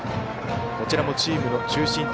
こちらもチームの中心。